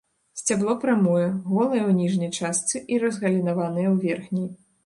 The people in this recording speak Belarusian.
Сцябло прамое, голае ў ніжняй частцы і разгалінаванае ў верхняй.